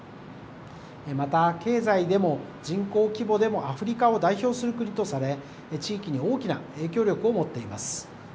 また経済でも人口規模でもアフリカを代表する国とされ、地域に大きな影響力を持っています。